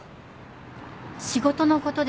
仕事のことです。